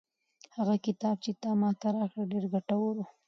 هغه کتاب چې تا ماته راکړ ډېر ګټور و.